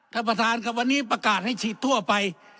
ท่านประธานครับวันนี้ประกาศให้ฉีดทั่วไป